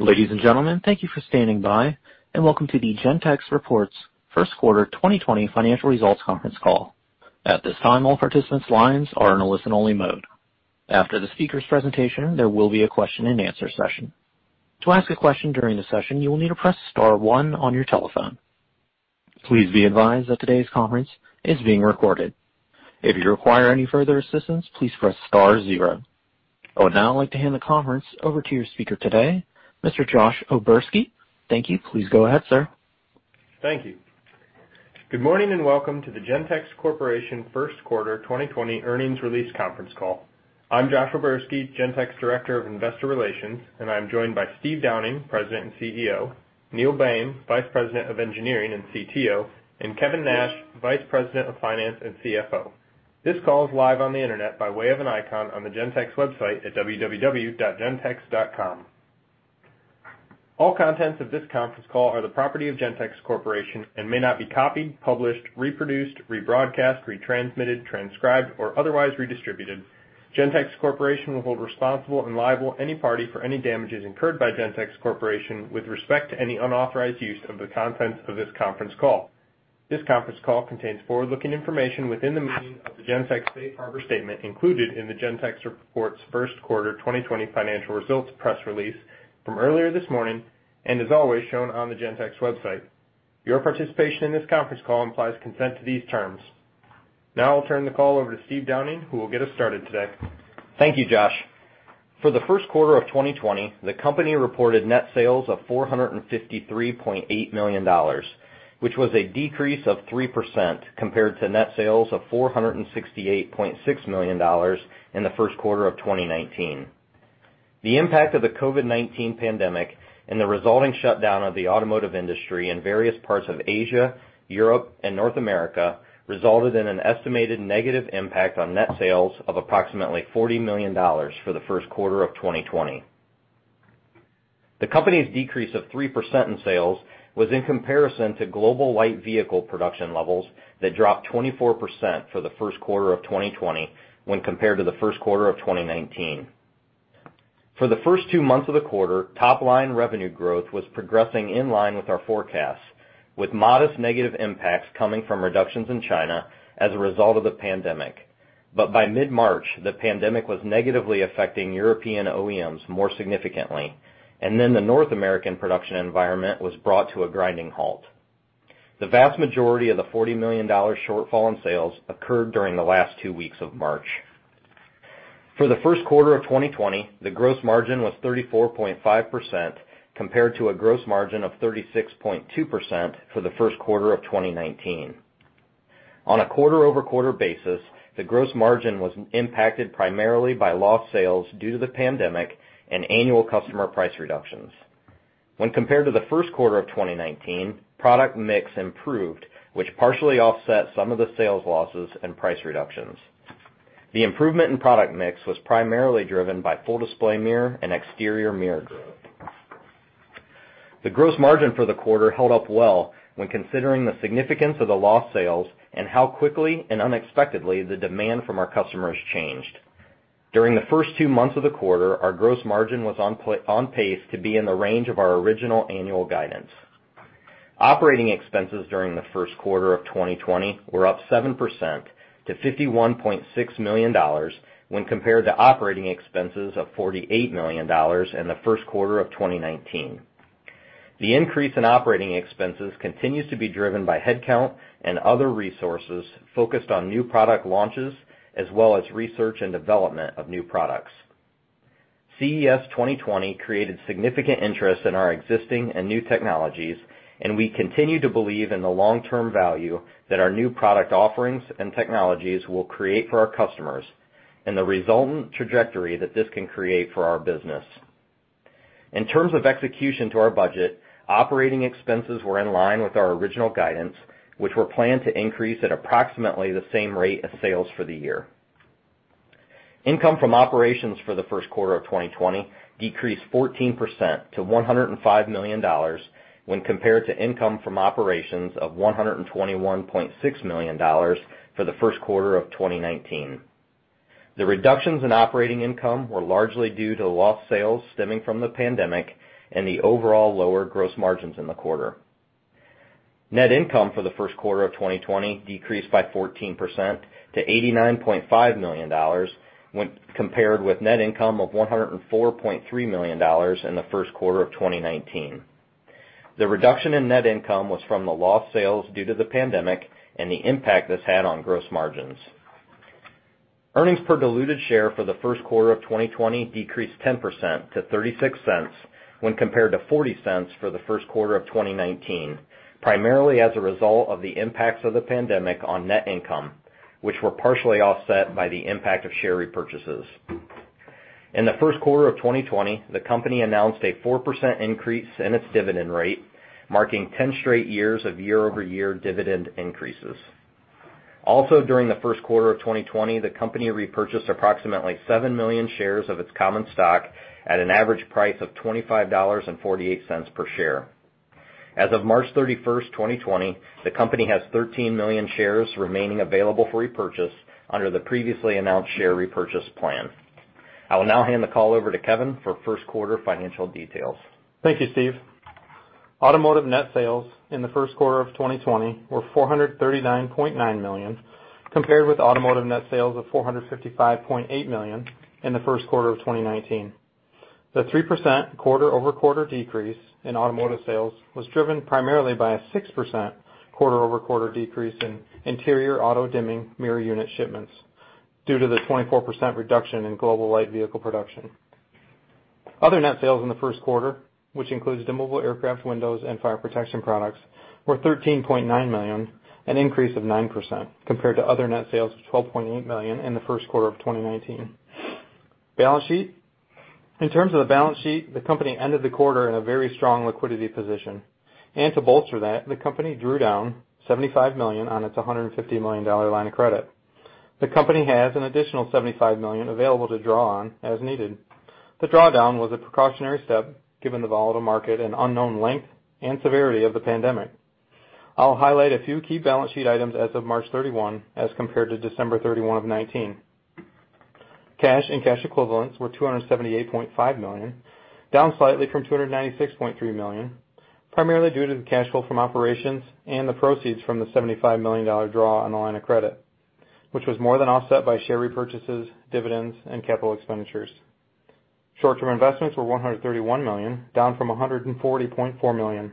Ladies and gentlemen, thank you for standing by and welcome to the Gentex reports first quarter 2020 financial results conference call. At this time, all participants' lines are in a listen-only mode. After the speaker's presentation, there will be a question and answer session. To ask a question during the session, you will need to press star one on your telephone. Please be advised that today's conference is being recorded. If you require any further assistance, please press star zero. I would now like to hand the conference over to your speaker today, Mr. Josh O'Berski. Thank you. Please go ahead, sir. Thank you. Good morning and welcome to the Gentex Corporation first quarter 2020 earnings release conference call. I'm Josh O'Berski, Gentex Director of Investor Relations, and I'm joined by Steve Downing, President and CEO, Neil Boehm, Vice President of Engineering and CTO, and Kevin Nash, Vice President of Finance and CFO. This call is live on the internet by way of an icon on the Gentex website at www.gentex.com. All contents of this conference call are the property of Gentex Corporation and may not be copied, published, reproduced, rebroadcast, retransmitted, transcribed, or otherwise redistributed. Gentex Corporation will hold responsible and liable any party for any damages incurred by Gentex Corporation with respect to any unauthorized use of the contents of this conference call. This conference call contains forward-looking information within the meaning of the Gentex safe harbor statement included in the Gentex reports first quarter 2020 financial results press release from earlier this morning and is always shown on the Gentex website. Your participation in this conference call implies consent to these terms. Now I'll turn the call over to Steve Downing, who will get us started today. Thank you, Josh. For the first quarter of 2020, the company reported net sales of $453.8 million, which was a decrease of 3% compared to net sales of $468.6 million in the first quarter of 2019. The impact of the COVID-19 pandemic and the resulting shutdown of the automotive industry in various parts of Asia, Europe, and North America resulted in an estimated negative impact on net sales of approximately $40 million for the first quarter of 2020. The company's decrease of 3% in sales was in comparison to global light vehicle production levels that dropped 24% for the first quarter of 2020 when compared to the first quarter of 2019. For the first two months of the quarter, top-line revenue growth was progressing in line with our forecasts, with modest negative impacts coming from reductions in China as a result of the pandemic. By mid-March, the pandemic was negatively affecting European OEMs more significantly, and then the North American production environment was brought to a grinding halt. The vast majority of the $40 million shortfall in sales occurred during the last two weeks of March. For the first quarter of 2020, the gross margin was 34.5% compared to a gross margin of 36.2% for the first quarter of 2019. On a quarter-over-quarter basis, the gross margin was impacted primarily by lost sales due to the pandemic and annual customer price reductions. When compared to the first quarter of 2019, product mix improved, which partially offset some of the sales losses and price reductions. The improvement in product mix was primarily driven by Full Display Mirror and exterior mirror growth. The gross margin for the quarter held up well when considering the significance of the lost sales and how quickly and unexpectedly the demand from our customers changed. During the first two months of the quarter, our gross margin was on pace to be in the range of our original annual guidance. Operating expenses during the first quarter of 2020 were up 7% to $51.6 million when compared to operating expenses of $48 million in the first quarter of 2019. The increase in operating expenses continues to be driven by headcount and other resources focused on new product launches, as well as research and development of new products. CES 2020 created significant interest in our existing and new technologies. We continue to believe in the long-term value that our new product offerings and technologies will create for our customers and the resultant trajectory that this can create for our business. In terms of execution to our budget, operating expenses were in line with our original guidance, which were planned to increase at approximately the same rate as sales for the year. Income from operations for the first quarter of 2020 decreased 14% to $105 million when compared to income from operations of $121.6 million for the first quarter of 2019. The reductions in operating income were largely due to lost sales stemming from the pandemic and the overall lower gross margins in the quarter. Net income for the first quarter of 2020 decreased by 14% to $89.5 million when compared with net income of $104.3 million in the first quarter of 2019. The reduction in net income was from the lost sales due to the pandemic and the impact this had on gross margins. Earnings per diluted share for the first quarter of 2020 decreased 10% to $0.36 when compared to $0.40 for the first quarter of 2019, primarily as a result of the impacts of the pandemic on net income, which were partially offset by the impact of share repurchases. In the first quarter of 2020, the company announced a 4% increase in its dividend rate, marking 10 straight years of year-over-year dividend increases. During the first quarter of 2020, the company repurchased approximately seven million shares of its common stock at an average price of $25.48 per share. As of March 31st, 2020, the company has 13 million shares remaining available for repurchase under the previously announced share repurchase plan. I will now hand the call over to Kevin for first quarter financial details. Thank you, Steve. Automotive net sales in the first quarter of 2020 were $439.9 million compared with automotive net sales of $455.8 million in the first quarter of 2019. The 3% quarter-over-quarter decrease in automotive sales was driven primarily by a 6% quarter-over-quarter decrease in interior auto-dimming mirror unit shipments due to the 24% reduction in global light vehicle production. Other net sales in the first quarter, which includes Electronically Dimmable Windows and fire protection products, were $13.9 million, an increase of 9% compared to other net sales of $12.8 million in the first quarter of 2019. Balance sheet. In terms of the balance sheet, the company ended the quarter in a very strong liquidity position, and to bolster that, the company drew down $75 million on its $150 million line of credit. The company has an additional $75 million available to draw on as needed. The drawdown was a precautionary step given the volatile market and unknown length and severity of the pandemic. I'll highlight a few key balance sheet items as of March 31 as compared to December 31 of 2019. Cash and cash equivalents were $278.5 million, down slightly from $296.3 million, primarily due to the cash flow from operations and the proceeds from the $75 million draw on the line of credit, which was more than offset by share repurchases, dividends, and capital expenditures. Short-term investments were $131 million, down from $140.4 million.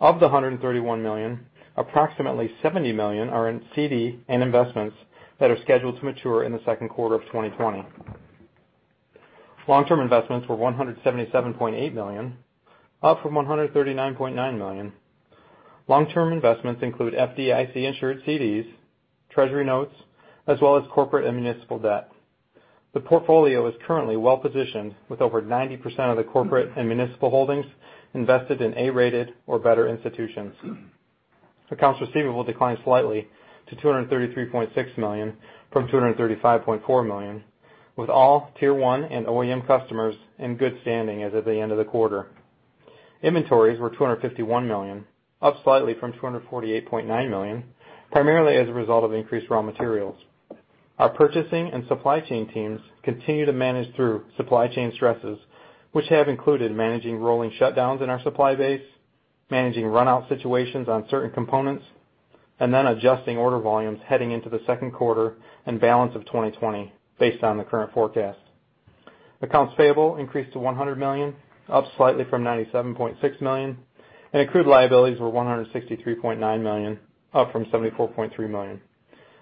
Of the $131 million, approximately $70 million are in CD and investments that are scheduled to mature in the second quarter of 2020. Long-term investments were $177.8 million, up from $139.9 million. Long-term investments include FDIC-insured CDs, treasury notes, as well as corporate and municipal debt. The portfolio is currently well-positioned, with over 90% of the corporate and municipal holdings invested in A-rated or better institutions. Accounts receivable declined slightly to $233.6 million from $235.4 million, with all Tier 1 and OEM customers in good standing as of the end of the quarter. Inventories were $251 million, up slightly from $248.9 million, primarily as a result of increased raw materials. Our purchasing and supply chain teams continue to manage through supply chain stresses, which have included managing rolling shutdowns in our supply base, managing run-out situations on certain components, and then adjusting order volumes heading into the second quarter and balance of 2020 based on the current forecast. Accounts payable increased to $100 million, up slightly from $97.6 million, and accrued liabilities were $163.9 million, up from $74.3 million.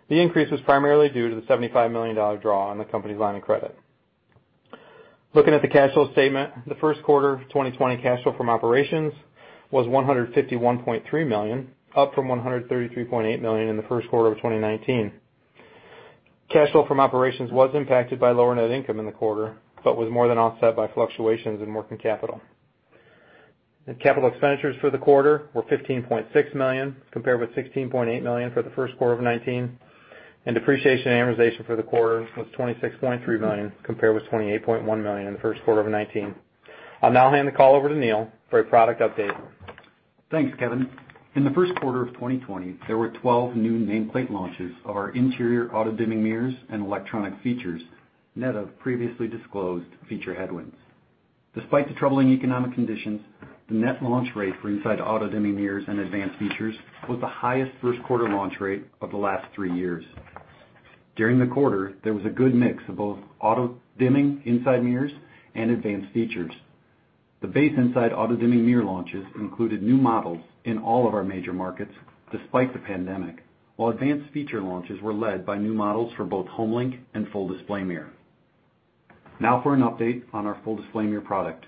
The increase was primarily due to the $75 million draw on the company's line of credit. Looking at the cash flow statement, the first quarter 2020 cash flow from operations was $151.3 million, up from $133.8 million in the first quarter of 2019. Cash flow from operations was impacted by lower net income in the quarter, but was more than offset by fluctuations in working capital. Capital expenditures for the quarter were $15.6 million, compared with $16.8 million for the first quarter of 2019, and depreciation and amortization for the quarter was $26.3 million, compared with $28.1 million in the first quarter of 2019. I'll now hand the call over to Neil for a product update. Thanks, Kevin. In the first quarter of 2020, there were 12 new nameplate launches of our interior auto-dimming mirrors and electronic features, net of previously disclosed feature headwinds. Despite the troubling economic conditions, the net launch rate for inside auto-dimming mirrors and advanced features was the highest first quarter launch rate of the last three years. During the quarter, there was a good mix of both auto-dimming inside mirrors and advanced features. The base inside auto-dimming mirror launches included new models in all of our major markets, despite the pandemic, while advanced feature launches were led by new models for both HomeLink and Full Display Mirror. For an update on our Full Display Mirror product.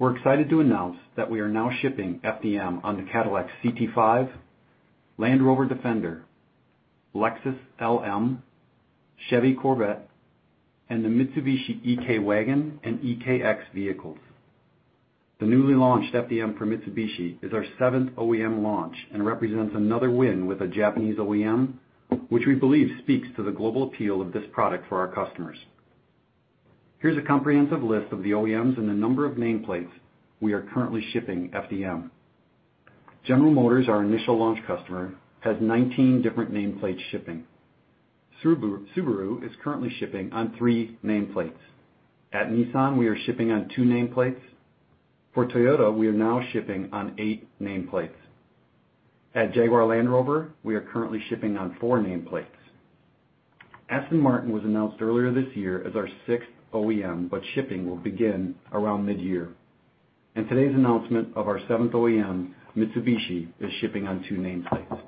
We're excited to announce that we are now shipping FDM on the Cadillac CT5, Land Rover Defender, Lexus LM, Chevy Corvette, and the Mitsubishi eK Wagon and eK X vehicles. The newly launched FDM for Mitsubishi is our seventh OEM launch and represents another win with a Japanese OEM, which we believe speaks to the global appeal of this product for our customers. Here's a comprehensive list of the OEMs and the number of nameplates we are currently shipping FDM. General Motors, our initial launch customer, has 19 different nameplates shipping. Subaru is currently shipping on three nameplates. At Nissan, we are shipping on two nameplates. For Toyota, we are now shipping on eight nameplates. At Jaguar Land Rover, we are currently shipping on four nameplates. Aston Martin was announced earlier this year as our sixth OEM, but shipping will begin around mid-year. today's announcement of our seventh OEM, Mitsubishi, is shipping on two nameplates.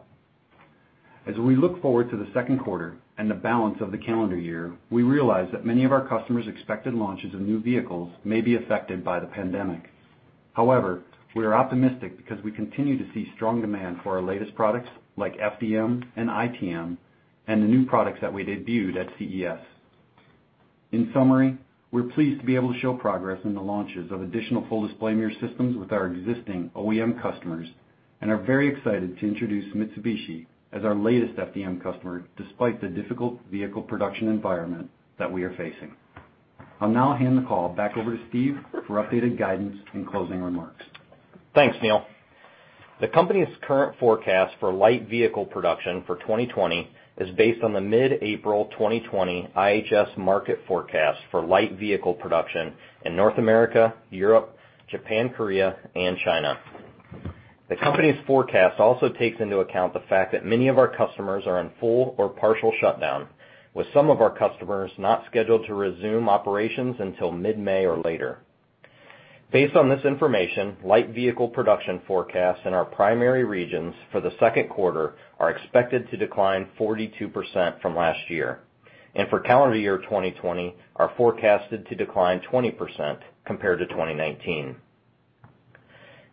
As we look forward to the second quarter and the balance of the calendar year, we realize that many of our customers' expected launches of new vehicles may be affected by the pandemic. However, we are optimistic because we continue to see strong demand for our latest products like FDM and ITM and the new products that we debuted at CES. In summary, we're pleased to be able to show progress in the launches of additional Full Display Mirror systems with our existing OEM customers and are very excited to introduce Mitsubishi as our latest FDM customer, despite the difficult vehicle production environment that we are facing. I'll now hand the call back over to Steve for updated guidance and closing remarks. Thanks, Neil. The company's current forecast for light vehicle production for 2020 is based on the mid-April 2020 IHS Markit Light Vehicle Production Forecast for light vehicle production in North America, Europe, Japan, Korea, and China. The company's forecast also takes into account the fact that many of our customers are in full or partial shutdown, with some of our customers not scheduled to resume operations until mid-May or later. Based on this information, light vehicle production forecasts in our primary regions for the second quarter are expected to decline 42% from last year, and for calendar year 2020 are forecasted to decline 20% compared to 2019.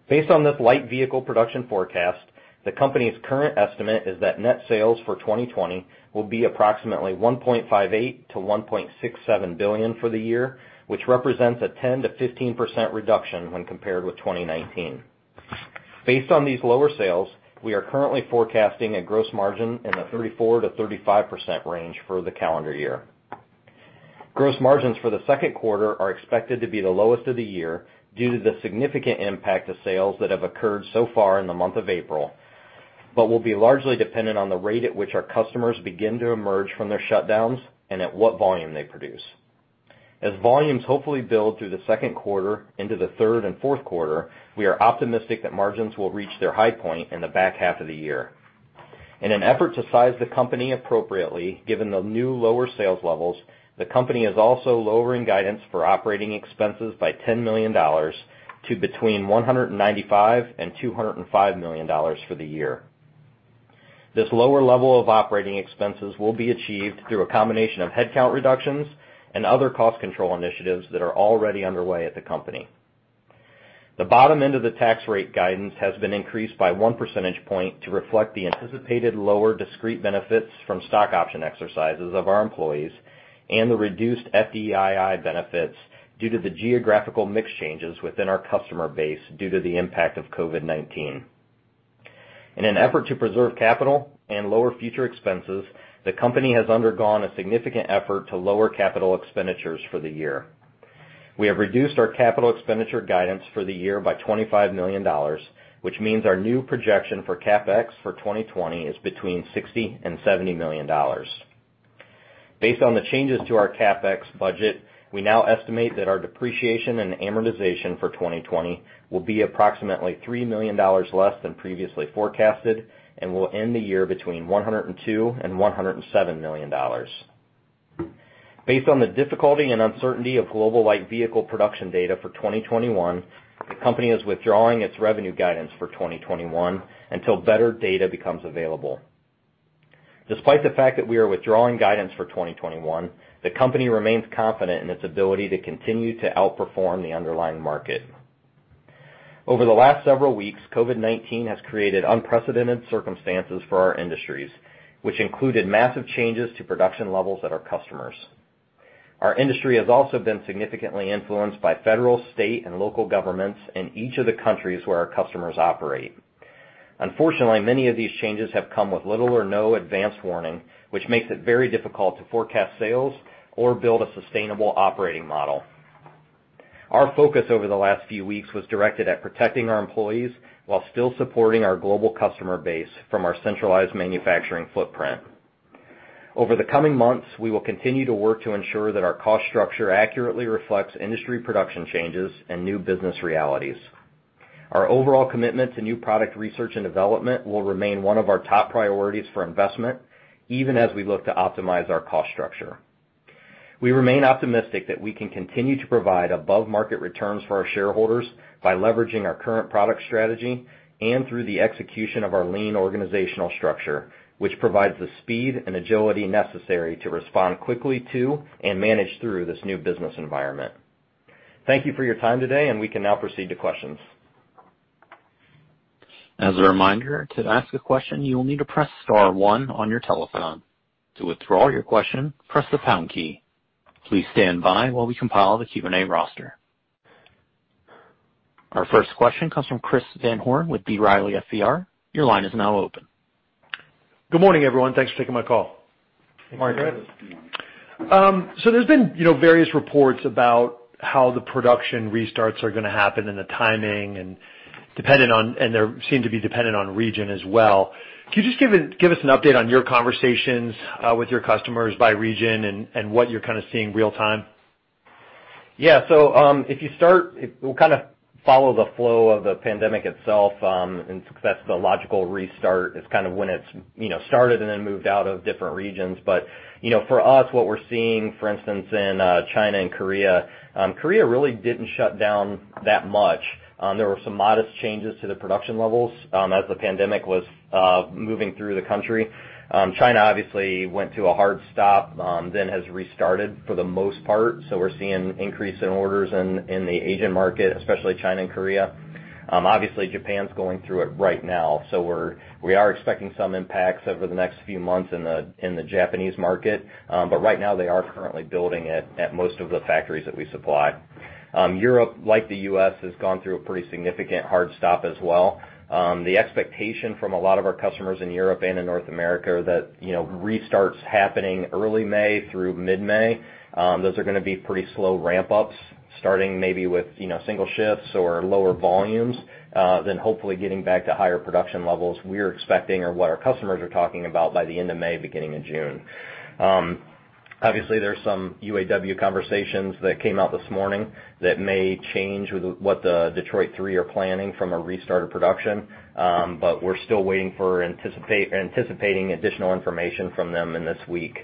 Based on this light vehicle production forecast, the company's current estimate is that net sales for 2020 will be approximately $1.58 billion-$1.67 billion for the year, which represents a 10%-15% reduction when compared with 2019. Based on these lower sales, we are currently forecasting a gross margin in the 34%-35% range for the calendar year. Gross margins for the second quarter are expected to be the lowest of the year due to the significant impact of sales that have occurred so far in the month of April, will be largely dependent on the rate at which our customers begin to emerge from their shutdowns and at what volume they produce. Volumes hopefully build through the second quarter into the third and fourth quarter, we are optimistic that margins will reach their high point in the back half of the year. In an effort to size the company appropriately, given the new lower sales levels, the company is also lowering guidance for operating expenses by $10 million to between $195 million and $205 million for the year. This lower level of operating expenses will be achieved through a combination of headcount reductions and other cost control initiatives that are already underway at the company. The bottom end of the tax rate guidance has been increased by one percentage point to reflect the anticipated lower discrete benefits from stock option exercises of our employees and the reduced FDII benefits due to the geographical mix changes within our customer base due to the impact of COVID-19. In an effort to preserve capital and lower future expenses, the company has undergone a significant effort to lower capital expenditures for the year. We have reduced our capital expenditure guidance for the year by $25 million, which means our new projection for CapEx for 2020 is between $60 million and $70 million. Based on the changes to our CapEx budget, we now estimate that our depreciation and amortization for 2020 will be approximately $3 million less than previously forecasted and will end the year between $102 million and $107 million. Based on the difficulty and uncertainty of global light vehicle production data for 2021, the company is withdrawing its revenue guidance for 2021 until better data becomes available. Despite the fact that we are withdrawing guidance for 2021, the company remains confident in its ability to continue to outperform the underlying market. Over the last several weeks, COVID-19 has created unprecedented circumstances for our industries, which included massive changes to production levels at our customers. Our industry has also been significantly influenced by federal, state, and local governments in each of the countries where our customers operate. Unfortunately, many of these changes have come with little or no advance warning, which makes it very difficult to forecast sales or build a sustainable operating model. Our focus over the last few weeks was directed at protecting our employees while still supporting our global customer base from our centralized manufacturing footprint. Over the coming months, we will continue to work to ensure that our cost structure accurately reflects industry production changes and new business realities. Our overall commitment to new product research and development will remain one of our top priorities for investment, even as we look to optimize our cost structure. We remain optimistic that we can continue to provide above-market returns for our shareholders by leveraging our current product strategy and through the execution of our lean organizational structure, which provides the speed and agility necessary to respond quickly to and manage through this new business environment. Thank you for your time today, and we can now proceed to questions. As a reminder, to ask a question, you will need to press star one on your telephone. To withdraw your question, press the pound key. Please stand by while we compile the Q&A roster. Our first question comes from Christopher Van Horn with B. Riley FBR. Your line is now open. Good morning, everyone. Thanks for taking my call. Good morning, Christopher. There's been various reports about how the production restarts are going to happen and the timing, and they seem to be dependent on region as well. Could you just give us an update on your conversations with your customers by region and what you're kind of seeing real time? Yeah. If you start, we'll kind of follow the flow of the pandemic itself since that's the logical restart. It's kind of when it's started and then moved out of different regions. For us, what we're seeing, for instance, in China and Korea really didn't shut down that much. There were some modest changes to the production levels as the pandemic was moving through the country. China obviously went to a hard stop, then has restarted for the most part. We're seeing an increase in orders in the Asian market, especially China and Korea. Obviously, Japan's going through it right now, so we are expecting some impacts over the next few months in the Japanese market. Right now they are currently building at most of the factories that we supply. Europe, like the U.S., has gone through a pretty significant hard stop as well. The expectation from a lot of our customers in Europe and in North America are that restarts happening early May through mid-May. Those are going to be pretty slow ramp-ups, starting maybe with single shifts or lower volumes, then hopefully getting back to higher production levels. We're expecting, or what our customers are talking about, by the end of May, beginning of June. Obviously, there's some UAW conversations that came out this morning that may change what the Detroit 3 are planning from a restart of production. we're still waiting for, anticipating additional information from them in this week.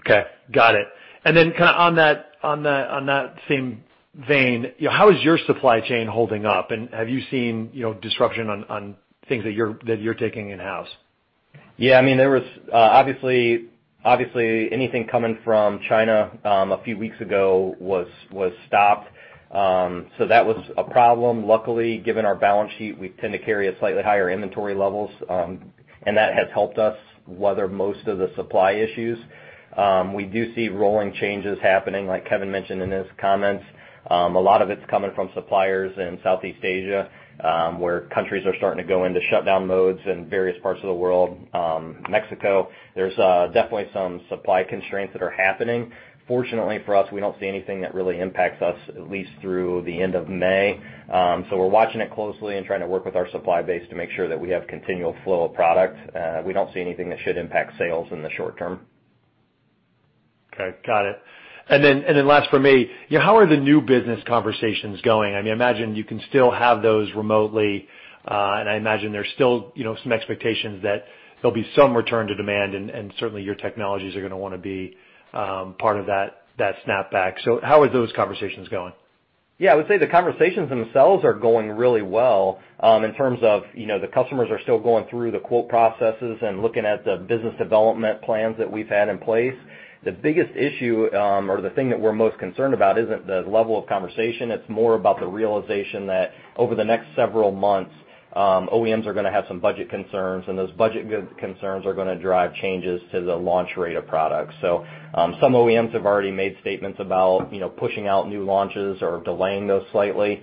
Okay. Got it. on that same vein, how is your supply chain holding up? have you seen disruption on things that you're taking in-house? Yeah. Obviously anything coming from China a few weeks ago was stopped. That was a problem. Luckily, given our balance sheet, we tend to carry slightly higher inventory levels, and that has helped us weather most of the supply issues. We do see rolling changes happening, like Kevin mentioned in his comments. A lot of it's coming from suppliers in Southeast Asia, where countries are starting to go into shutdown modes in various parts of the world. Mexico, there's definitely some supply constraints that are happening. Fortunately for us, we don't see anything that really impacts us, at least through the end of May. We're watching it closely and trying to work with our supply base to make sure that we have continual flow of product. We don't see anything that should impact sales in the short term. Okay. Got it. Last from me, how are the new business conversations going? I imagine you can still have those remotely, and I imagine there's still some expectations that there'll be some return to demand, and certainly your technologies are going to want to be part of that snap back. How are those conversations going? Yeah. I would say the conversations themselves are going really well in terms of the customers are still going through the quote processes and looking at the business development plans that we've had in place. The biggest issue, or the thing that we're most concerned about, isn't the level of conversation. It's more about the realization that over the next several months, OEMs are going to have some budget concerns, and those budget concerns are going to drive changes to the launch rate of products. Some OEMs have already made statements about pushing out new launches or delaying those slightly.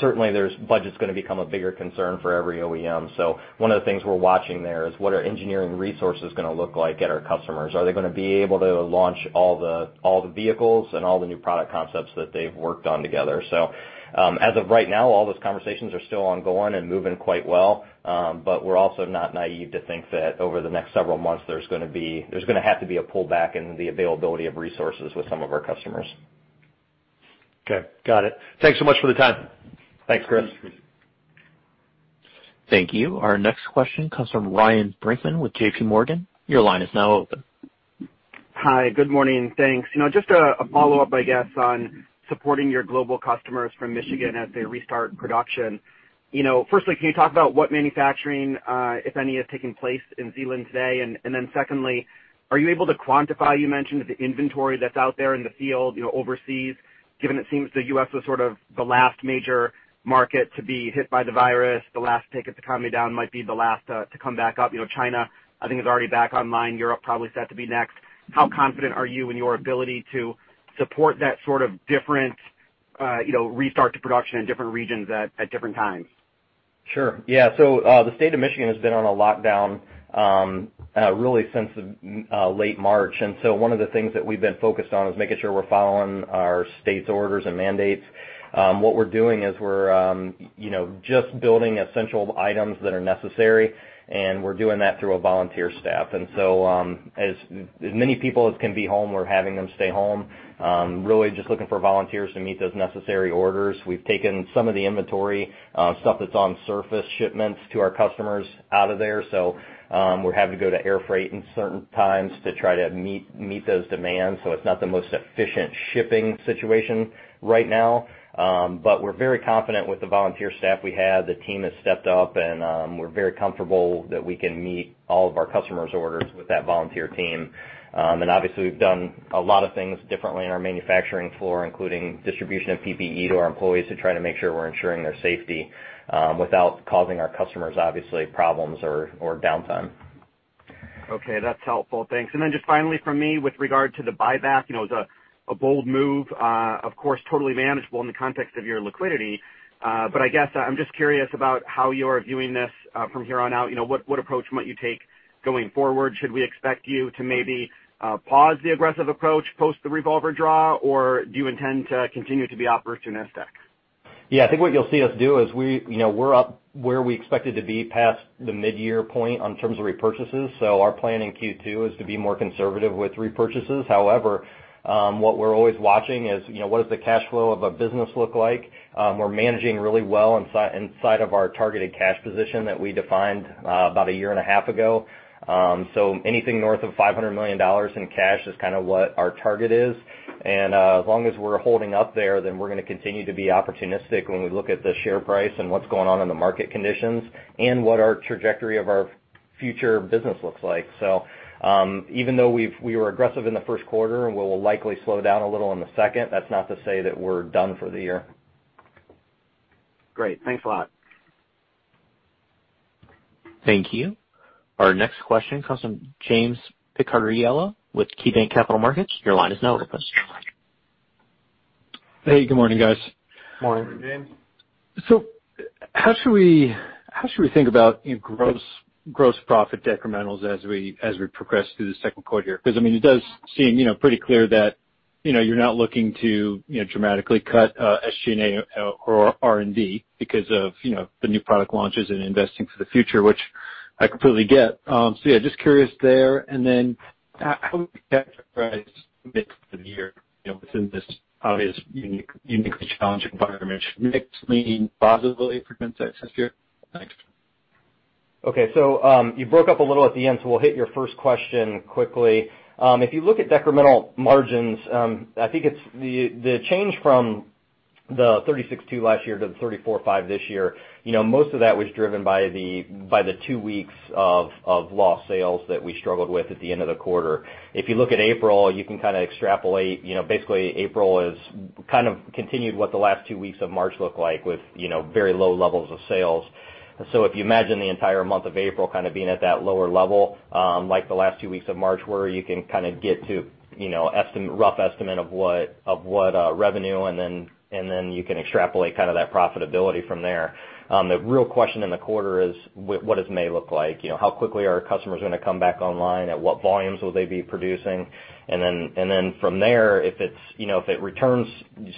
Certainly budget's going to become a bigger concern for every OEM. One of the things we're watching there is what are engineering resources going to look like at our customers. Are they going to be able to launch all the vehicles and all the new product concepts that they've worked on together? As of right now, all those conversations are still ongoing and moving quite well. We're also not naive to think that over the next several months, there's going to have to be a pullback in the availability of resources with some of our customers. Okay. Got it. Thanks so much for the time. Thanks, Christopher. Thank you. Our next question comes from Ryan Brinkman with J.P. Morgan. Your line is now open. Hi. Good morning. Thanks. Just a follow-up, I guess, on supporting your global customers from Michigan as they restart production. Firstly, can you talk about what manufacturing, if any, is taking place in Zeeland today? Secondly, are you able to quantify, you mentioned the inventory that's out there in the field overseas, given it seems the U.S. was sort of the last major market to be hit by the virus, the last to take its economy down, might be the last to come back up. China, I think, is already back online. Europe probably set to be next. How confident are you in your ability to support that sort of different restart to production in different regions at different times? Sure. Yeah. The state of Michigan has been on a lockdown really since late March, and so one of the things that we've been focused on is making sure we're following our state's orders and mandates. What we're doing is we're just building essential items that are necessary, and we're doing that through a volunteer staff. As many people as can be home, we're having them stay home. Really just looking for volunteers to meet those necessary orders. We've taken some of the inventory, stuff that's on surface shipments to our customers out of there. We're having to go to air freight in certain times to try to meet those demands. It's not the most efficient shipping situation right now. We're very confident with the volunteer staff we have. The team has stepped up, and we're very comfortable that we can meet all of our customers' orders with that volunteer team. Obviously we've done a lot of things differently in our manufacturing floor, including distribution of PPE to our employees to try to make sure we're ensuring their safety without causing our customers, obviously, problems or downtime. Okay. That's helpful. Thanks. Just finally from me, with regard to the buyback, it was a bold move, of course, totally manageable in the context of your liquidity. I guess I'm just curious about how you're viewing this from here on out. What approach might you take going forward? Should we expect you to maybe pause the aggressive approach post the revolver draw, or do you intend to continue to be opportunistic? Yeah. I think what you'll see us do is we're up where we expected to be past the midyear point in terms of repurchases. Our plan in Q2 is to be more conservative with repurchases. However, what we're always watching is what does the cash flow of a business look like? We're managing really well inside of our targeted cash position that we defined about a year and a half ago. Anything north of $500 million in cash is kind of what our target is. As long as we're holding up there, then we're going to continue to be opportunistic when we look at the share price and what's going on in the market conditions and what our trajectory of our future business looks like. Even though we were aggressive in the first quarter and we'll likely slow down a little in the second, that's not to say that we're done for the year. Great. Thanks a lot. Thank you. Our next question comes from James Picariello with KeyBanc Capital Markets. Your line is now open. Hey, good morning, guys. Morning. Morning, James. How should we think about gross profit decrementals as we progress through the second quarter here? Because it does seem pretty clear that you're not looking to dramatically cut SG&A or R&D because of the new product launches and investing for the future, which I completely get. Yeah, just curious there, and then how would you characterize mid of the year within this obvious uniquely challenged environment? Should mix lean positively for Gentex this year? Thanks. Okay. You broke up a little at the end, so we'll hit your first question quickly. If you look at decremental margins, I think it's the change from the 36.2 last year to the 34.5 this year. Most of that was driven by the two weeks of lost sales that we struggled with at the end of the quarter. If you look at April, you can kind of extrapolate, basically April has kind of continued what the last two weeks of March looked like with very low levels of sales. If you imagine the entire month of April kind of being at that lower level, like the last two weeks of March were, you can kind of get to a rough estimate of what revenue, and then you can extrapolate that profitability from there. The real question in the quarter is what does May look like? How quickly are customers going to come back online? At what volumes will they be producing? From there, if it returns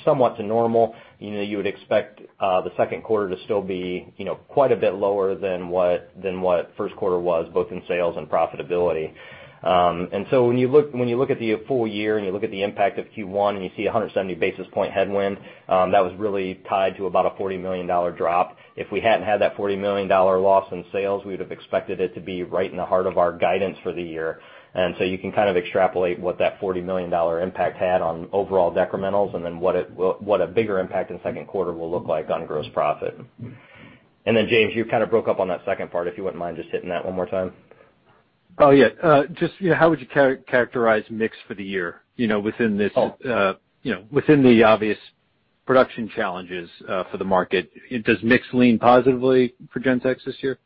somewhat to normal, you would expect the second quarter to still be quite a bit lower than what first quarter was, both in sales and profitability. When you look at the full year and you look at the impact of Q1 and you see 170 basis point headwind, that was really tied to about a $40 million drop. If we hadn't had that $40 million loss in sales, we'd have expected it to be right in the heart of our guidance for the year. You can kind of extrapolate what that $40 million impact had on overall decrementals and then what a bigger impact in the second quarter will look like on gross profit. James, you kind of broke up on that second part. If you wouldn't mind just hitting that one more time. Oh, yeah. Just how would you characterize mix for the year within the obvious production challenges for the market? Does mix lean positively for Gentex this year?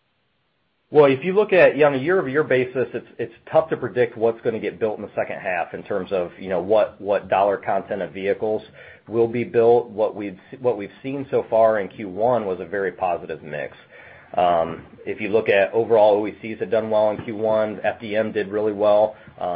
Well, if you look at on a year-over-year basis, it's tough to predict what's going to get built in the second half in terms of what dollar content of vehicles will be built. What we've seen so far in Q1 was a very positive mix. If you look at overall OEC have done well in Q1. FDM did really well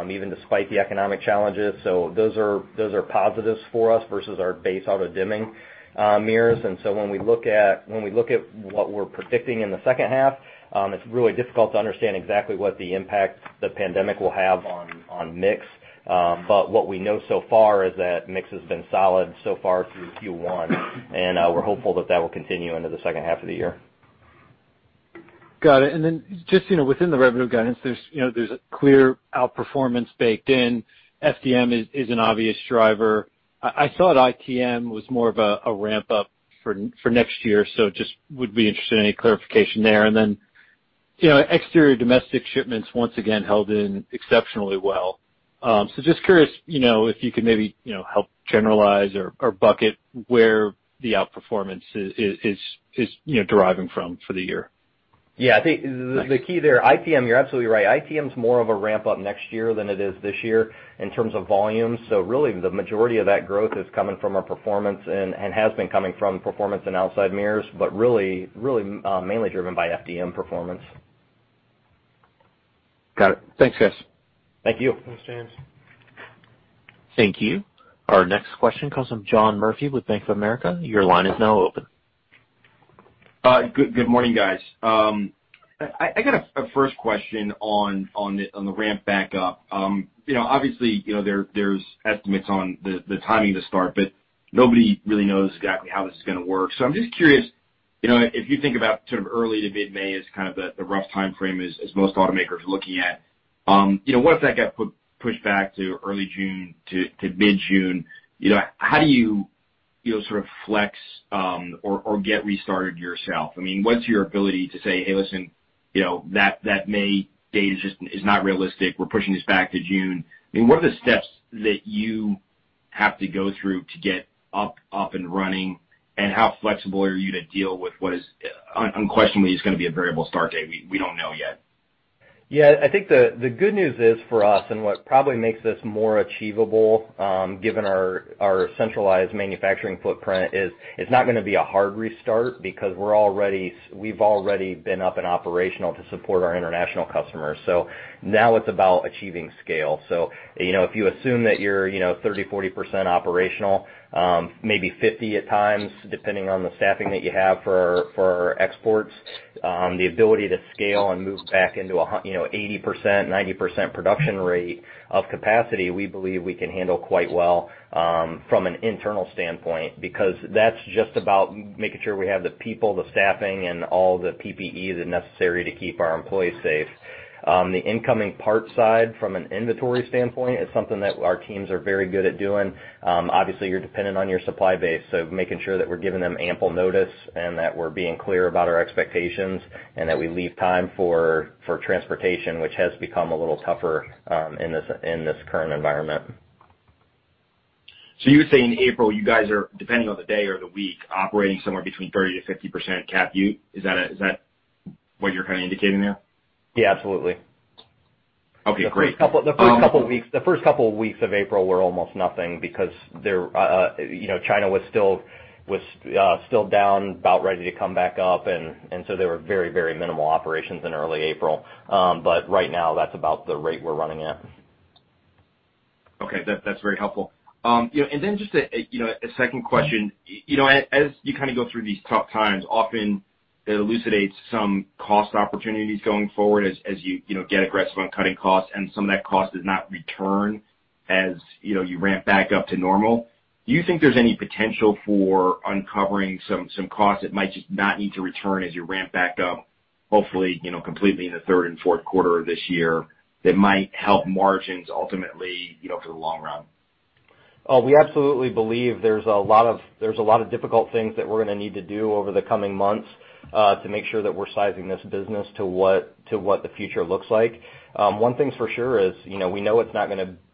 even despite the economic challenges. Those are positives for us versus our base auto dimming mirrors. When we look at what we're predicting in the second half, it's really difficult to understand exactly what the impact the pandemic will have on mix. What we know so far is that mix has been solid so far through Q1 and we're hopeful that that will continue into the second half of the year. Got it. Just within the revenue guidance, there's a clear outperformance baked in. FDM is an obvious driver. I thought ITM was more of a ramp-up for next year, so just would be interested in any clarification there. Exterior domestic shipments, once again, held in exceptionally well. Just curious if you could maybe help generalize or bucket where the outperformance is deriving from for the year. Yeah. Thanks. I think the key there, ITM, you're absolutely right. ITM's more of a ramp-up next year than it is this year in terms of volume. Really the majority of that growth is coming from our performance and has been coming from performance in outside mirrors, but really mainly driven by FDM performance. Got it. Thanks, guys. Thank you. Thanks, James. Thank you. Our next question comes from John Murphy with Bank of America. Your line is now open. Good morning, guys. I got a first question on the ramp back up. Obviously there's estimates on the timing to start, but nobody really knows exactly how this is going to work. I'm just curious, if you think about sort of early to mid-May as kind of the rough timeframe as most automakers are looking at, what if that got pushed back to early June to mid-June? How do you sort of flex or get restarted yourself? What's your ability to say, "Hey, listen, that May date is not realistic. We're pushing this back to June"? What are the steps that you have to go through to get up and running, and how flexible are you to deal with what is unquestionably going to be a variable start date we don't know yet? Yeah. I think the good news is for us, and what probably makes this more achievable given our centralized manufacturing footprint is it's not going to be a hard restart because we've already been up and operational to support our international customers. Now it's about achieving scale. If you assume that you're 30%, 40% operational, maybe 50% at times depending on the staffing that you have for exports, the ability to scale and move back into a 80%, 90% production rate of capacity we believe we can handle quite well from an internal standpoint. Because that's just about making sure we have the people, the staffing and all the PPEs necessary to keep our employees safe. The incoming parts side from an inventory standpoint is something that our teams are very good at doing. Obviously you're dependent on your supply base, so making sure that we're giving them ample notice and that we're being clear about our expectations and that we leave time for transportation, which has become a little tougher in this current environment. You would say in April, you guys are, depending on the day or the week, operating somewhere between 30%-50% CapEx? Is that what you're kind of indicating there? Yeah, absolutely. Okay, great. The first couple of weeks of April were almost nothing because China was still down, about ready to come back up, and so there were very minimal operations in early April. Right now, that's about the rate we're running at. Okay. That's very helpful. Just a second question. As you go through these tough times, often it elucidates some cost opportunities going forward as you get aggressive on cutting costs, and some of that cost does not return as you ramp back up to normal. Do you think there's any potential for uncovering some costs that might just not need to return as you ramp back up, hopefully completely in the third and fourth quarter of this year, that might help margins ultimately, for the long run? Oh, we absolutely believe there's a lot of difficult things that we're going to need to do over the coming months, to make sure that we're sizing this business to what the future looks like. One thing's for sure is, we know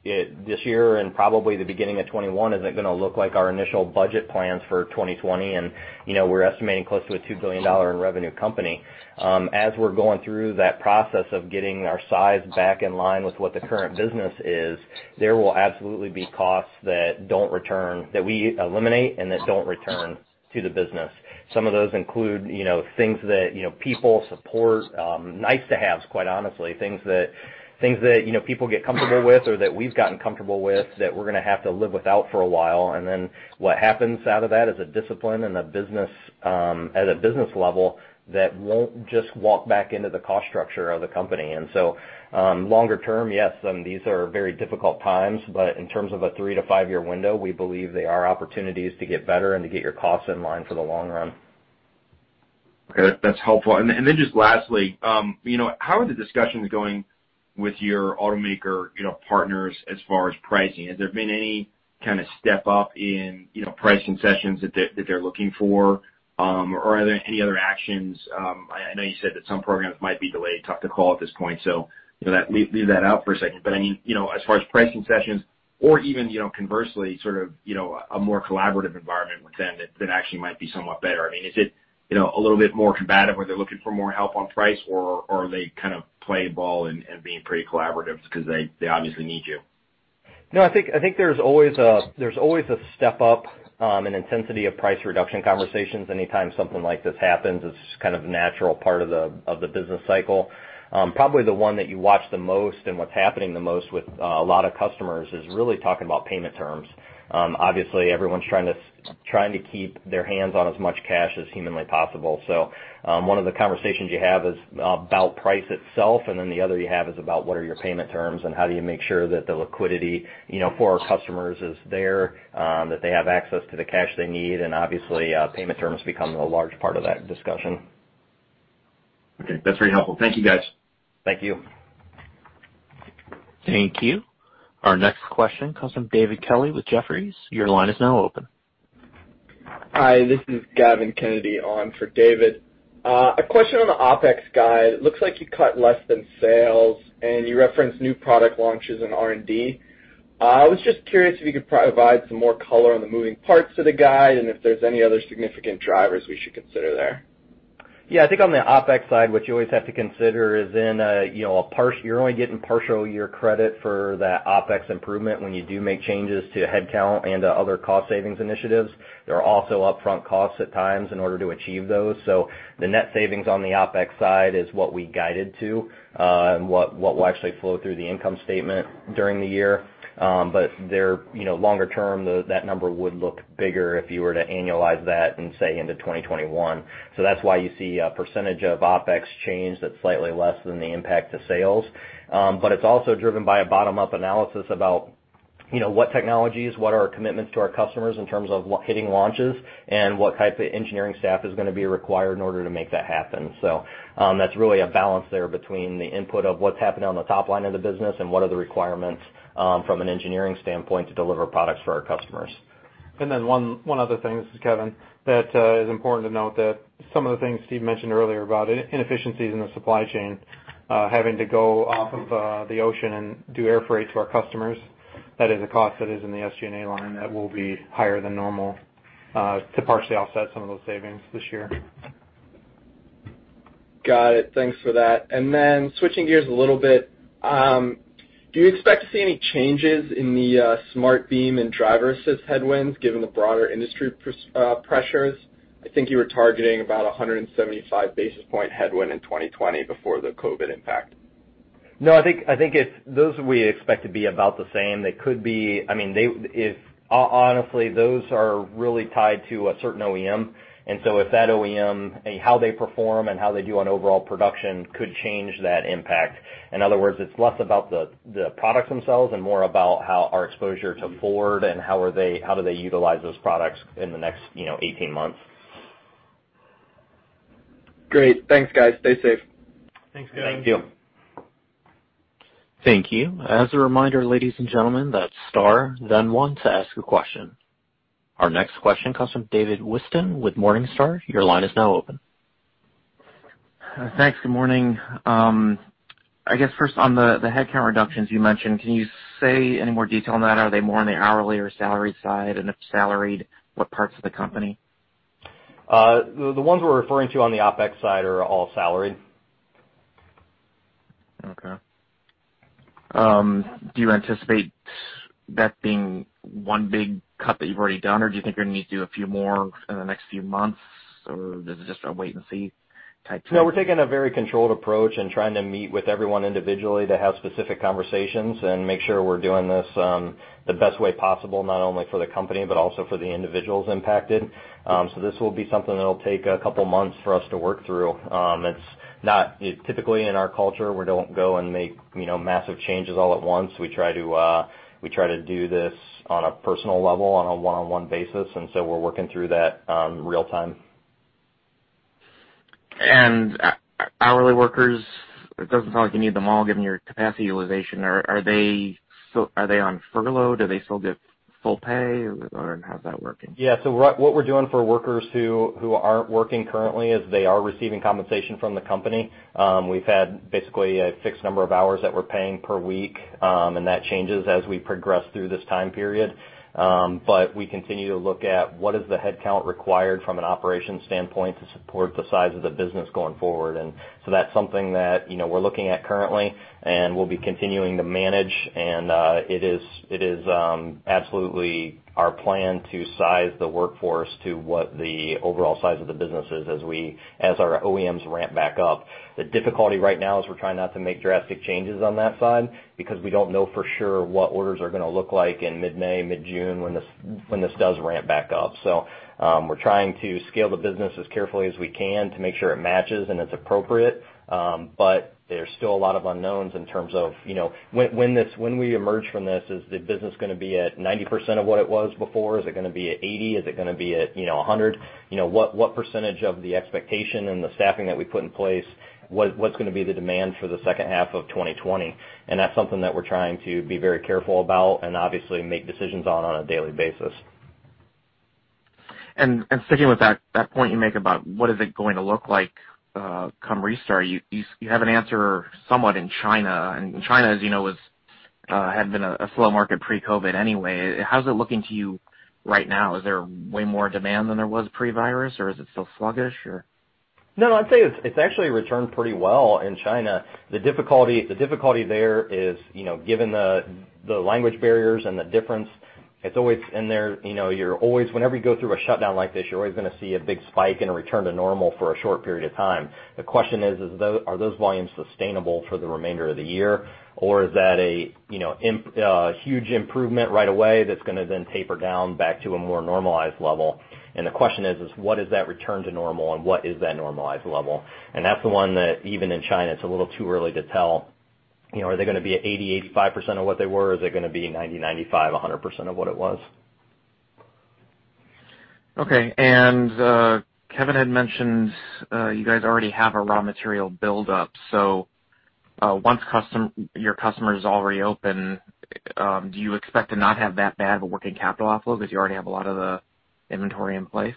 this year, and probably the beginning of 2021, isn't going to look like our initial budget plans for 2020. We're estimating close to a $2 billion in revenue company. As we're going through that process of getting our size back in line with what the current business is, there will absolutely be costs that we eliminate, and that don't return to the business. Some of those include people support, nice to haves, quite honestly, things that people get comfortable with or that we've gotten comfortable with that we're going to have to live without for a while. what happens out of that is a discipline at a business level that won't just walk back into the cost structure of the company. Longer term, yes, these are very difficult times, but in terms of a three to five-year window, we believe there are opportunities to get better and to get your costs in line for the long run. Okay. That's helpful. Just lastly, how are the discussions going with your automaker partners as far as pricing? Has there been any kind of step up in price concessions that they're looking for? Are there any other actions? I know you said that some programs might be delayed. Tough to call at this point, so leave that out for a second. As far as price concessions or even conversely, sort of a more collaborative environment with them that actually might be somewhat better. Is it a little bit more combative where they're looking for more help on price, or are they kind of playing ball and being pretty collaborative because they obviously need you? No, I think there's always a step up in intensity of price reduction conversations anytime something like this happens. It's kind of a natural part of the business cycle. Probably the one that you watch the most and what's happening the most with a lot of customers is really talking about payment terms. Obviously, everyone's trying to keep their hands on as much cash as humanly possible. One of the conversations you have is about price itself, and then the other you have is about what are your payment terms and how do you make sure that the liquidity for our customers is there, that they have access to the cash they need, and obviously, payment terms become a large part of that discussion. Okay. That's very helpful. Thank you, guys. Thank you. Thank you. Our next question comes from David Kelley with Jefferies. Your line is now open. Hi, this is Gavin Kennedy on for David. A question on the OpEx guide. It looks like you cut less than sales, and you referenced new product launches and R&D. I was just curious if you could provide some more color on the moving parts of the guide and if there's any other significant drivers we should consider there. Yeah, I think on the OpEx side, what you always have to consider is you're only getting partial year credit for that OpEx improvement when you do make changes to headcount and other cost savings initiatives. There are also upfront costs at times in order to achieve those. The net savings on the OpEx side is what we guided to, and what will actually flow through the income statement during the year. Longer term, that number would look bigger if you were to annualize that in, say, into 2021. That's why you see a percentage of OpEx change that's slightly less than the impact to sales. It's also driven by a bottom-up analysis about what technologies, what are our commitments to our customers in terms of hitting launches, and what type of engineering staff is going to be required in order to make that happen. That's really a balance there between the input of what's happening on the top line of the business and what are the requirements from an engineering standpoint to deliver products for our customers. One other thing, this is Kevin. That is important to note that some of the things Steve mentioned earlier about inefficiencies in the supply chain, having to go off of the ocean and do air freight to our customers, that is a cost that is in the SG&A line that will be higher than normal to partially offset some of those savings this year. Got it. Thanks for that. Switching gears a little bit, do you expect to see any changes in the SmartBeam and Driver-Assist Headwinds given the broader industry pressures? I think you were targeting about 175 basis point headwind in 2020 before the COVID impact. I think those we expect to be about the same. Honestly, those are really tied to a certain OEM. How they perform and how they do on overall production could change that impact. In other words, it's less about the products themselves and more about how our exposure to Ford and how do they utilize those products in the next 18 months. Great. Thanks, guys. Stay safe. Thanks, Gavin. Thank you. Thank you. As a reminder, ladies and gentlemen, that's star then one to ask a question. Our next question comes from David Whiston with Morningstar. Your line is now open. Thanks. Good morning. I guess first on the headcount reductions you mentioned, can you say any more detail on that? Are they more on the hourly or salary side? If salaried, what parts of the company? The ones we're referring to on the OpEx side are all salaried. Okay. Do you anticipate that being one big cut that you've already done, or do you think you're going to need to do a few more in the next few months, or is it just a wait-and-see type situation? No, we're taking a very controlled approach and trying to meet with everyone individually to have specific conversations and make sure we're doing this the best way possible, not only for the company but also for the individuals impacted. This will be something that'll take a couple of months for us to work through. It's not typically in our culture. We don't go and make massive changes all at once. We try to do this on a personal level, on a one-on-one basis. We're working through that real-time. Hourly workers, it doesn't sound like you need them all given your capacity utilization. Are they on furlough? Do they still get full pay or how's that working? Yeah. What we're doing for workers who aren't working currently is they are receiving compensation from the company. We've had basically a fixed number of hours that we're paying per week, and that changes as we progress through this time period. We continue to look at what is the headcount required from an operations standpoint to support the size of the business going forward. That's something that we're looking at currently and we'll be continuing to manage. It is absolutely our plan to size the workforce to what the overall size of the business is as our OEMs ramp back up. The difficulty right now is we're trying not to make drastic changes on that side because we don't know for sure what orders are going to look like in mid-May, mid-June when this does ramp back up. We're trying to scale the business as carefully as we can to make sure it matches and it's appropriate. There's still a lot of unknowns in terms of when we emerge from this, is the business going to be at 90% of what it was before? Is it going to be at 80%? Is it going to be at 100%? What percentage of the expectation and the staffing that we put in place, what's going to be the demand for the second half of 2020? That's something that we're trying to be very careful about and obviously make decisions on a daily basis. Sticking with that point you make about what is it going to look like come restart, you have an answer somewhat in China. China, as you know, had been a slow market pre-COVID anyway. How's it looking to you right now? Is there way more demand than there was pre-virus, or is it still sluggish or? No, I'd say it's actually returned pretty well in China. The difficulty there is, given the language barriers and the difference, whenever you go through a shutdown like this, you're always going to see a big spike and a return to normal for a short period of time. The question is, are those volumes sustainable for the remainder of the year, or is that a huge improvement right away that's going to then taper down back to a more normalized level? The question is, what is that return to normal and what is that normalized level? That's the one that even in China, it's a little too early to tell. Are they going to be at 80%, 85% of what they were? Are they going to be 90%, 95%, 100% of what it was? Okay. Kevin had mentioned you guys already have a raw material buildup. Once your customers all reopen, do you expect to not have that bad of a working capital outflow because you already have a lot of the inventory in place?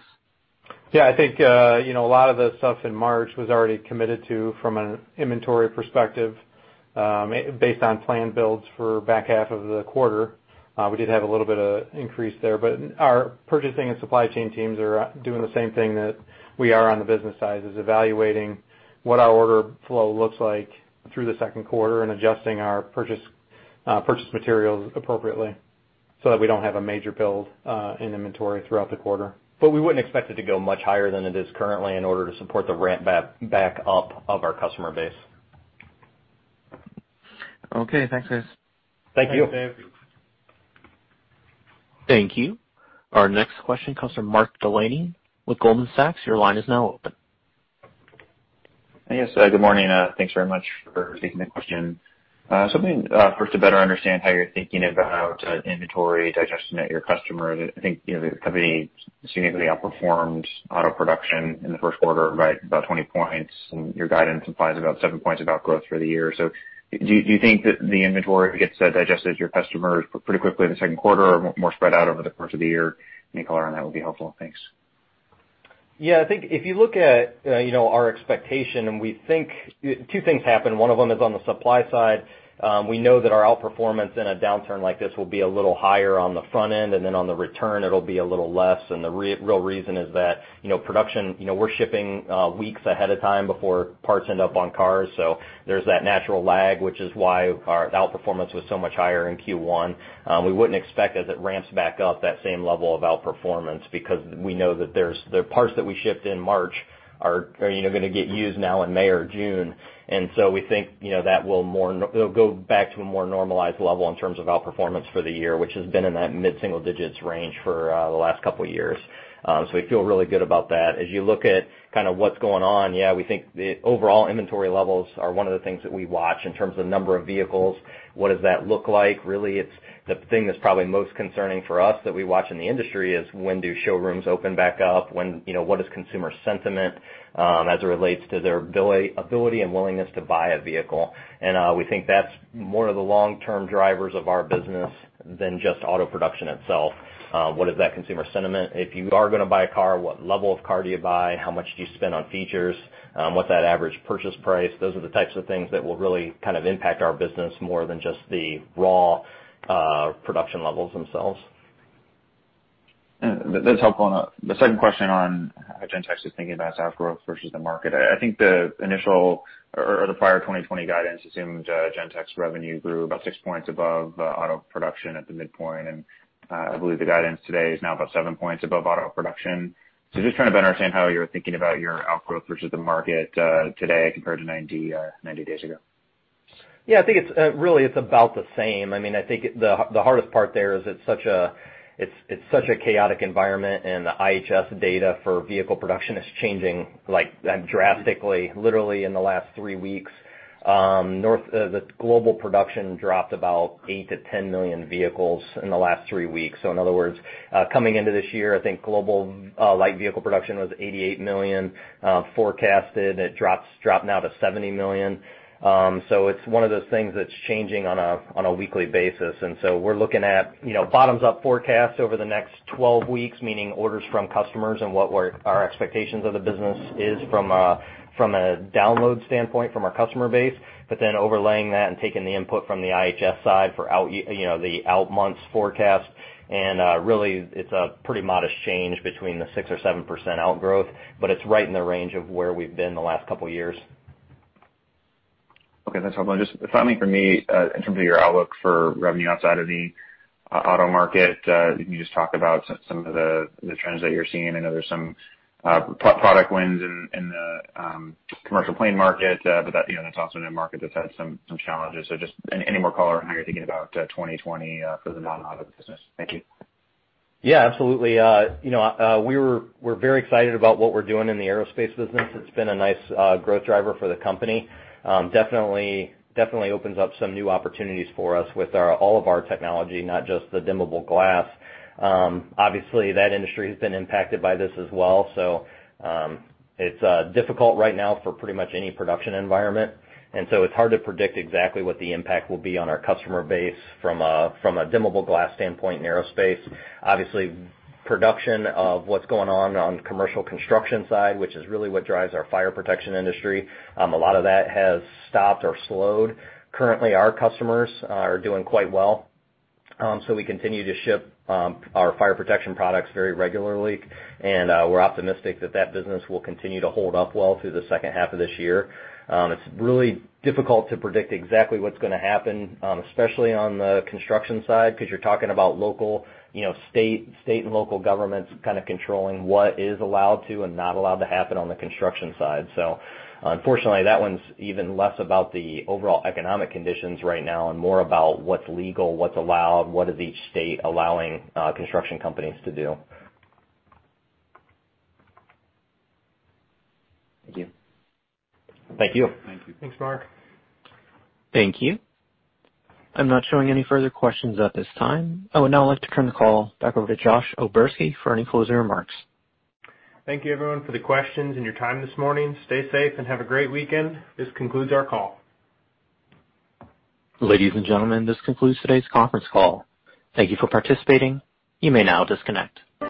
Yeah, I think a lot of the stuff in March was already committed to from an inventory perspective based on planned builds for back half of the quarter. We did have a little bit of increase there, but our purchasing and supply chain teams are doing the same thing that we are on the business side, is evaluating what our order flow looks like through the second quarter and adjusting our purchase materials appropriately so that we don't have a major build in inventory throughout the quarter. We wouldn't expect it to go much higher than it is currently in order to support the ramp back up of our customer base. Okay. Thanks, guys. Thank you. Thanks, David. Thank you. Our next question comes from Mark Delaney with Goldman Sachs. Your line is now open. Yes. Good morning. Thanks very much for taking the question. Something for us to better understand how you're thinking about inventory digestion at your customer. I think the company significantly outperformed auto production in the first quarter by about 20 points, and your guidance implies about seven points of op growth through the year. Do you think that the inventory gets digested at your customers pretty quickly in the second quarter or more spread out over the course of the year? Any color on that would be helpful. Thanks. Yeah, I think if you look at our expectation and we think two things happen, one of them is on the supply side. We know that our outperformance in a downturn like this will be a little higher on the front end, and then on the return, it'll be a little less. The real reason is that production, we're shipping weeks ahead of time before parts end up on cars. There's that natural lag, which is why our outperformance was so much higher in Q1. We wouldn't expect as it ramps back up that same level of outperformance because we know that the parts that we shipped in March are going to get used now in May or June. We think it'll go back to a more normalized level in terms of outperformance for the year, which has been in that mid-single digits range for the last couple of years. we feel really good about that. As you look at kind of what's going on, yeah, we think the overall inventory levels are one of the things that we watch in terms of number of vehicles. What does that look like? Really, it's the thing that's probably most concerning for us that we watch in the industry is when do showrooms open back up? What is consumer sentiment as it relates to their ability and willingness to buy a vehicle? we think that's more of the long-term drivers of our business than just auto production itself. What is that consumer sentiment? If you are going to buy a car, what level of car do you buy? How much do you spend on features? What's that average purchase price? Those are the types of things that will really kind of impact our business more than just the raw production levels themselves. That's helpful. The second question on how Gentex is thinking about its outgrowth versus the market. I think the initial or the prior 2020 guidance assumed Gentex revenue grew about six points above auto production at the midpoint. I believe the guidance today is now about seven points above auto production. just trying to understand how you're thinking about your outgrowth versus the market today compared to 90 days ago. Yeah. I think really it's about the same. I think the hardest part there is it's such a chaotic environment, and the IHS data for vehicle production is changing drastically. Literally in the last three weeks, the global production dropped about 8 million-10 million vehicles in the last three weeks. In other words, coming into this year, I think global light vehicle production was 88 million forecasted. It dropped now to 70 million. It's one of those things that's changing on a weekly basis. We're looking at bottoms-up forecasts over the next 12 weeks, meaning orders from customers and what our expectations of the business is from a download standpoint from our customer base. Overlaying that and taking the input from the IHS side for the out-months forecast. Really it's a pretty modest change between the 6% or 7% outgrowth, but it's right in the range of where we've been the last couple of years. Okay, that's helpful. Just finally for me, in terms of your outlook for revenue outside of the auto market, can you just talk about some of the trends that you're seeing? I know there's some product wins in the commercial plane market, but that's also a new market that's had some challenges. Just any more color on how you're thinking about 2020 for the non-auto business. Thank you. Yeah, absolutely. We're very excited about what we're doing in the aerospace business. It's been a nice growth driver for the company. Definitely opens up some new opportunities for us with all of our technology, not just the dimmable glass. Obviously, that industry has been impacted by this as well. It's difficult right now for pretty much any production environment, and so it's hard to predict exactly what the impact will be on our customer base from a dimmable glass standpoint in aerospace. Obviously, production of what's going on commercial construction side, which is really what drives our fire protection industry, a lot of that has stopped or slowed. Currently, our customers are doing quite well, so we continue to ship our fire protection products very regularly. We're optimistic that business will continue to hold up well through the second half of this year. It's really difficult to predict exactly what's going to happen, especially on the construction side, because you're talking about state and local governments kind of controlling what is allowed to and not allowed to happen on the construction side. Unfortunately, that one's even less about the overall economic conditions right now and more about what's legal, what's allowed, what is each state allowing construction companies to do. Thank you. Thank you. Thank you. Thanks, Mark. Thank you. I'm not showing any further questions at this time. I would now like to turn the call back over to Josh O'Berski for any closing remarks. Thank you, everyone, for the questions and your time this morning. Stay safe and have a great weekend. This concludes our call. Ladies and gentlemen, this concludes today's conference call. Thank you for participating. You may now disconnect.